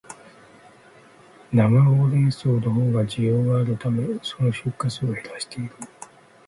生ホウレンソウのほうが需要があるため、その出荷数を減らしている